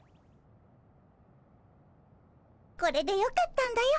これでよかったんだよ